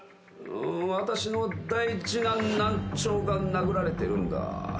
私の大事なナンチョーが殴られてるんだ。